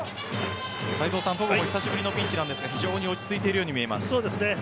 斎藤さん、戸郷も久しぶりのピンチですが非常に落ち着いているように見えます。